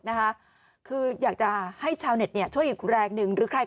นะคะคืออยากจะให้ชาวเน็ตเนี่ยช่วยอีกแรงหนึ่งหรือใคร